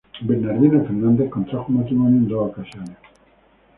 Bernardino Fernández contrajo matrimonio en dos ocasiones.